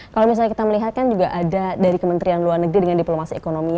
kalau misalnya kita melihat kan juga ada dari kementerian luar negeri dengan diplomasi ekonomi